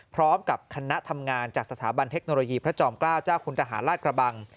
พร้อมกับคณะทำงานจากสถาบันเทคโนโลยีพระจอมเกล้าเจ้าคุณทหารราชกระบัง